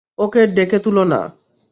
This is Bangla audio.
ওকে ডেকে তুলো না!